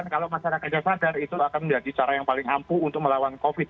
kalau masyarakatnya sadar itu akan menjadi cara yang paling ampuh untuk melawan covid